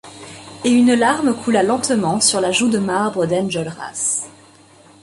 Et une larme coula lentement sur la joue de marbre d’Enjolras.